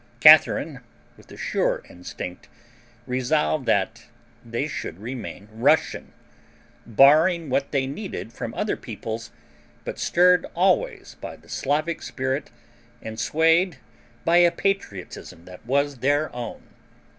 Catharine, with a sure instinct, resolved that they should remain Russian, borrowing what they needed from other peoples, but stirred always by the Slavic spirit and swayed by a patriotism that was their own.